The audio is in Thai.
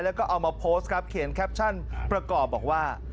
เรามาโพสครับเขียนแคร็ปชั่นประกอบบอกว่า